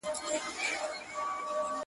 • چي ته د قاف د کوم، کونج نه دې دنيا ته راغلې.